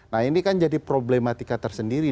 nah ini kan jadi problematika tersendiri